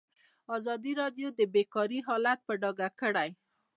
ازادي راډیو د بیکاري حالت په ډاګه کړی.